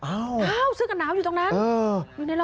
อ้าวเสื้อกันหนาวอยู่ตรงนั้นอยู่ที่รถ